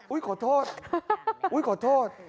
อุ๊ยขอโทษอุ๊ยขอโทษ